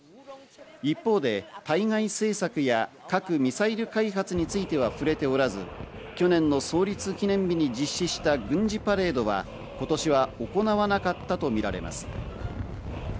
一方で対外政策や核・ミサイル開発については触れておらず、去年の創立記念日に実施した軍事パレードは今年は行わなかったとみられます。